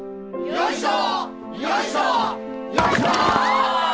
よいしょ！